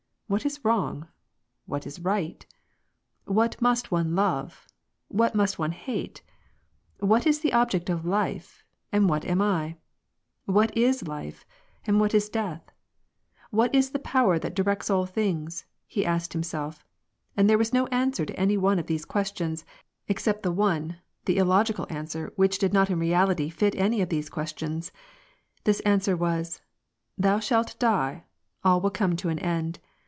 What is wrong ? What is right ? What must one love ? What must one hate ? What is the object of life, and what am I ? What is life, and what is death ? What is the Power that directs all things ?" he asked himself. And there was no answer to any one of the questions, except the one, the illogical answer which did not in reality lit any of these questions. This answer was :" Thou shalt die — all will come to an end